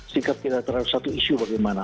sikap kita terhadap satu isu bagaimana